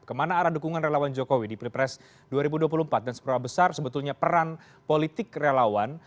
kemana arah dukungan relawan jokowi di pilpres dua ribu dua puluh empat dan seberapa besar sebetulnya peran politik relawan